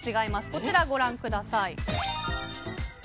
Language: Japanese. こちらご覧ください。